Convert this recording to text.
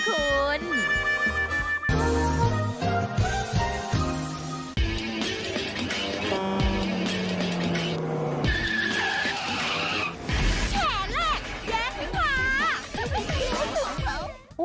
แฉแหลกแย้นด้วยค่ะ